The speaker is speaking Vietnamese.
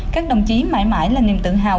các đồng chí mãi mãi là niềm tự hào